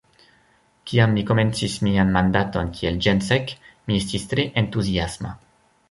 Kiam mi komencis mian mandaton kiel ĜenSek, mi estis tre entuziasma.